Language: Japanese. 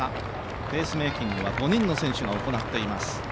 ペースメイキングは５人の選手が行っています。